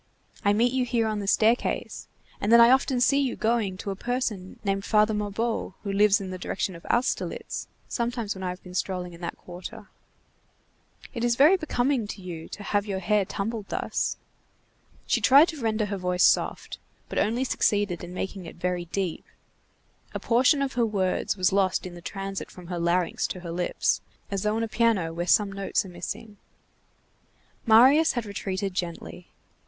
I meet you here on the staircase, and then I often see you going to a person named Father Mabeuf who lives in the direction of Austerlitz, sometimes when I have been strolling in that quarter. It is very becoming to you to have your hair tumbled thus." She tried to render her voice soft, but only succeeded in making it very deep. A portion of her words was lost in the transit from her larynx to her lips, as though on a piano where some notes are missing. Marius had retreated gently.